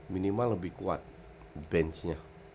minimal lebih kuat benchnya